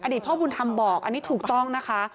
พ่อบุญธรรมบอกอันนี้ถูกต้องนะคะ